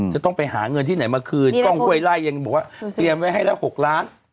จะต้องไปหาเงินที่ไหนมาคืนเดรสกล้องเค้าเงินไหลขึ้นอย่างโปะเตรียมไว้ให้แล้ว๖ล้าน